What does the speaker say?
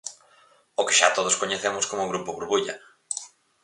O que xa todos coñecemos como grupo burbulla.